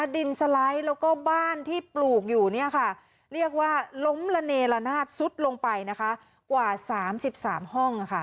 ดินสไลด์และบ้านที่ปลูกอยู่เรียกว่าล้มระเนรนาทสุดลงไปกว่า๓๓ห้อง